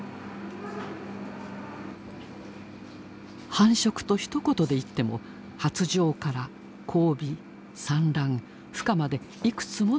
繁殖とひと言で言っても発情から交尾産卵孵化までいくつもの段階がある。